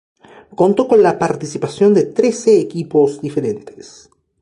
Contó con la participación de trece equipos diferentes.